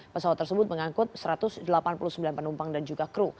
pesawat tersebut mengangkut satu ratus delapan puluh sembilan penumpang dan juga kru